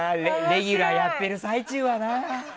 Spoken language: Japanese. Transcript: レギュラーやってる最中はな。